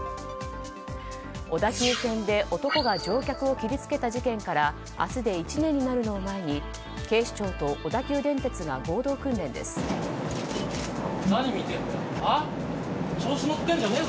小田急線で男が乗客を切りつけた事件から明日で１年になるのを前に警視庁と小田急電鉄が何見てんだよ。